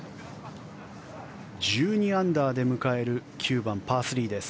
１２アンダーで迎える９番、パー３です。